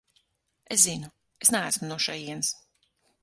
Es zinu, es neesmu no šejienes.